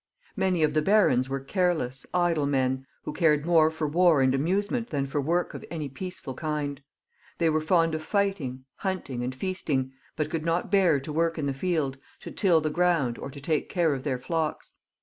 Many of the barons were careless> idle men, who cared more for war and amusement than for work of any peaceful kind. They were fond of fighting, hunting, and feasting, but could not bear to work in the field, to till the ground, or to take care of their flocks.